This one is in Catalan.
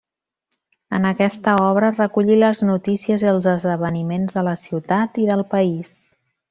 En aquesta obra recollí les notícies i els esdeveniments de la ciutat i del país.